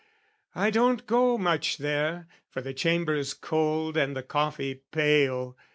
"I don't go much there, for the chamber's cold "And the coffee pale.